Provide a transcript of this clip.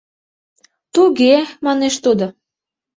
— Туге, — манеш тудо.